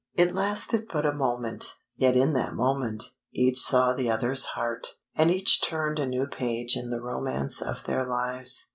It lasted but a moment; yet in that moment, each saw the other's heart, and each turned a new page in the romance of their lives.